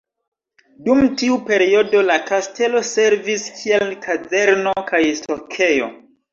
Dum tiu periodo la kastelo servis kiel kazerno kaj stokejo.